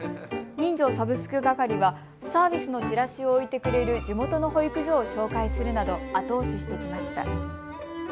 人情サブス区係はサービスのチラシを置いてくれる地元の保育所を紹介するなど後押ししてきました。